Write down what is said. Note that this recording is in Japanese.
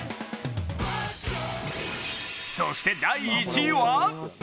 そして第１位は？